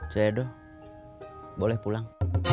cedo boleh pulang